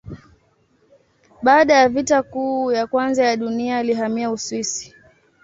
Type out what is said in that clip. Baada ya Vita Kuu ya Kwanza ya Dunia alihamia Uswisi.